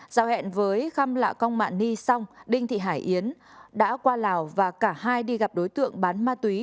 giao hẹn với khăm lạ công mạ ni xong đinh thị hải yến đã qua lào và cả hai đi gặp đối tượng bán ma túy